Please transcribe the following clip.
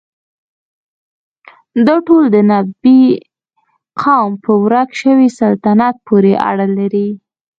دا ټول د نبطي قوم په ورک شوي سلطنت پورې اړه لري.